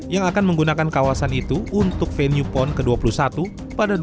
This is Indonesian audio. yang akan menggunakan kawasan itu untuk venue pon ke dua puluh satu pada dua ribu dua puluh